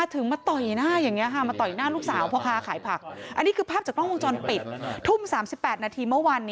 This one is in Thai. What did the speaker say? ถึงมาต่ออยู่หน้าอย่างนี้ค่ะ